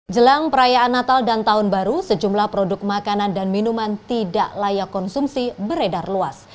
jelang perayaan natal dan tahun baru sejumlah produk makanan dan minuman tidak layak konsumsi beredar luas